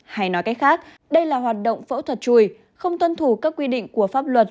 hay nói cách khác đây là hoạt động phẫu thuật chùi không tuân thủ các quy định của pháp luật